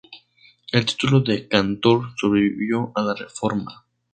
El título de "Kantor" sobrevivió a la Reforma.